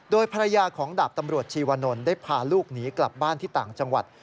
โดยภรรยาของดาบตำรวจชีวนลได้พาลูกหนีกลับบ้านที่ต่างจังหวัด